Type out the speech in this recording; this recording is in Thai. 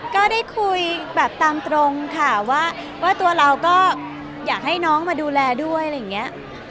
ก็ได้คุยแบบตามตรงค่ะว่าตัวเราก็อยากให้น้องมาดูแลด้วย